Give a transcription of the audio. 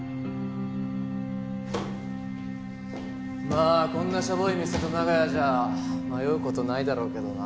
まあこんなショボい店と長屋じゃ迷う事ないだろうけどな。